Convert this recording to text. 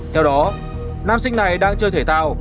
theo đó nam sinh này đang chơi thể tạo